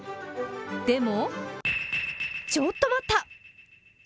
でも、ちょっと待った！